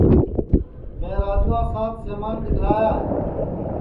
میں راجوا سات سمان دؔیگلایا ہے